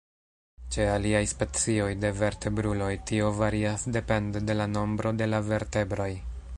Ĉe aliaj specioj de vertebruloj tio varias depende de la nombro de la vertebroj.